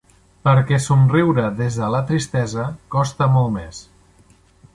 Perquè somriure des de la tristesa costa molt més.